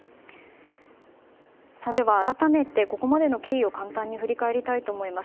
改めてここまでの経緯を簡単に振り返りたいと思います。